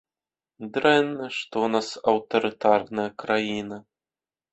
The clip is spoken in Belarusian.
Дрэнна, што ў нас аўтарытарная краіна.